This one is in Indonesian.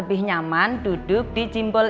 ini juga mampu meredakan nyeri otot panggul